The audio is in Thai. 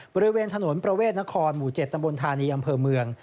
บริเวณถนนประเวศณครมู่ยเจ็ดนามบลธารียำเพิ่มเมือง